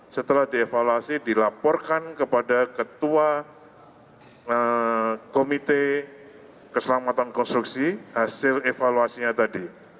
setelah dievaluasi dilaporkan kepada ketua komite keselamatan konstruksi hasil evaluasinya tadi